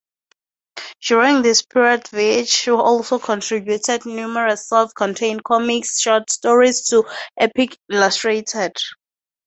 During this period Veitch also contributed numerous self-contained comics short stories to "Epic Illustrated".